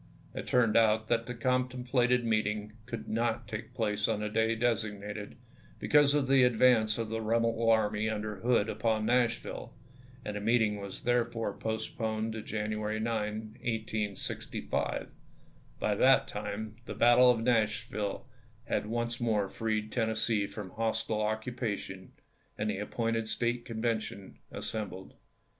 It turned out that the contemplated meeting could not take place on the day designated be cause of the advance of the rebel army under Hood upon Nash\'ille, and the meeting was therefore postponed to January 9, 1865. By that time the battle of Nashville had once more freed Tennessee from hostile occupation, and the appointed State Convention assembled.